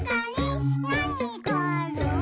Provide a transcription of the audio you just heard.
「なにがある？」